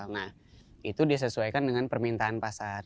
nah itu disesuaikan dengan permintaan pasar